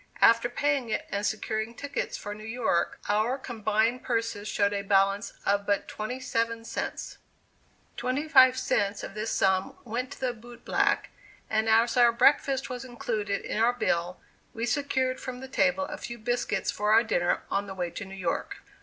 After paying it and securing tickets for New York, our combined purses showed a balance of but twenty seven cents. Twenty five cents of this sum went to the boot black, and as our breakfast was included in our bill we secured from the table a few biscuits for our dinner on the way to New York.